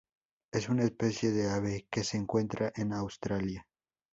Es una especie de ave que se encuentra en Australia.